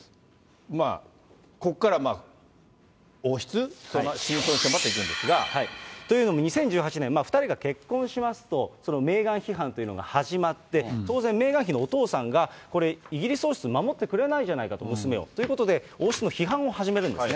ここからは王室、迫っていくんですが、というのも、２０１８年、２人が結婚しますと、メーガン批判というのが始まって、当然、メーガン妃のお父さんがこれ、イギリス王室守ってくれないじゃないかと、娘を、王室の批判を始めるんですね。